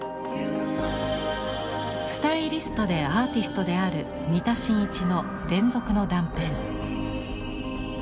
スタイリストでアーティストである三田真一の「連続の断片」。